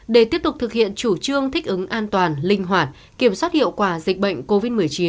để tiếp tục thực hiện chủ trương thích ứng an toàn linh hoạt kiểm soát hiệu quả dịch bệnh covid một mươi chín